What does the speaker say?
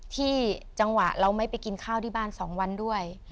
จังหวะเราไม่ไปกินข้าวที่บ้าน๒วันด้วย